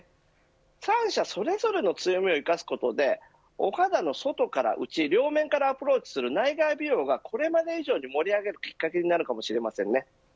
３社それぞれの強みを生かすことでお肌の外から内両面からアプローチする内外美容がこれまで以上に盛り上がるきっかけになるかもしれませんね。